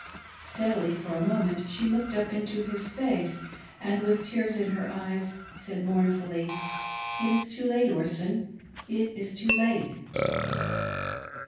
Steadily^ for a moment, she looked up into his face, and, with tears in her eyes, said mournfully: "It is too late, Orson^It is too late!"